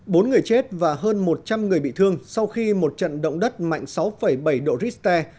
bốn người chết và hơn một trăm linh người bị thương sau khi một trận động đất mạnh sáu bảy độ richter